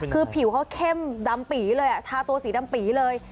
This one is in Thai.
คือผิวเขาเข้มดำปีเลยทาตัวสีดำปีเลย